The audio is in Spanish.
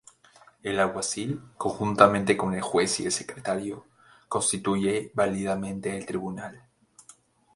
El "Alguacil", conjuntamente con el Juez y el Secretario, constituye válidamente el tribunal.